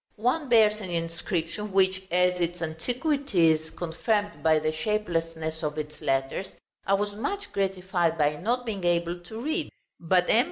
One bears an inscription, which, as its antiquity is confirmed by the shapelessness of its letters, I was much gratified by not being able to read; but M.